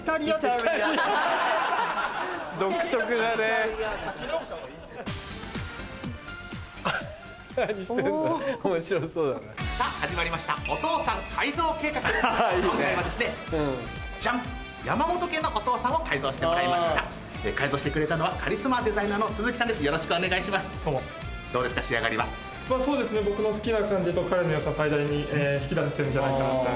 僕の好きな感じと彼の良さを最大に引き出せてるんじゃないか。